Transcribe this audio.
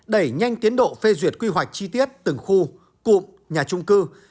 đẩy nhanh tiến độ phê duyệt quy hoạch chi tiết từng khu cụm nhà trung cư